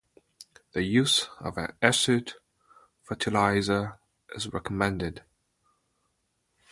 The use of an acid fertilizer is recommended.